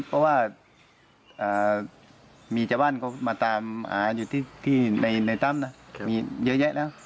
เพราะว่ามีจับบ้านก็มาตามหาอยู่ที่ที่ในในตั้งนะมีเยอะแล้ว